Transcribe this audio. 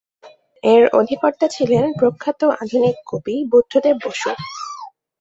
এর অধিকর্তা ছিলেন প্রখ্যাত আধুনিক কবি বুদ্ধদেব বসু।